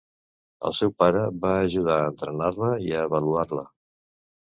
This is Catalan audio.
El seu pare va ajudar a entrenar-la i a avaluar-la.